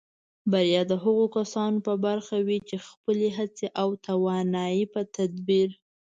بریا د هغو کسانو په برخه وي چې خپلې هڅې او توانایۍ په تدبیر